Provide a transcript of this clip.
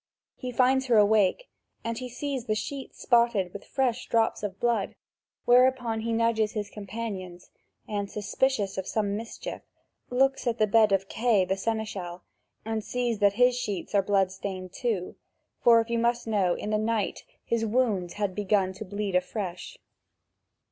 He finds her awake, and he sees the sheets spotted with fresh drops of blood, whereupon he nudges his companions and, suspicious of some mischief, looks at the bed of Kay the seneschal, and sees that his sheets are blood stained too, for you must know that in the night his wounds had begun to bleed afresh.